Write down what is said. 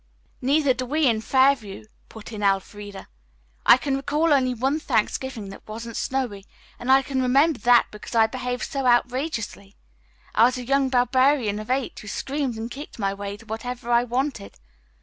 "Neither do we in Fairview," put in Elfreda. "I can recall only one Thanksgiving that wasn't snowy, and I can remember that because I behaved so outrageously. I was a young barbarian of eight, who screamed and kicked my way to whatever I wanted.